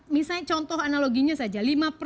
misalnya contoh analoginya saja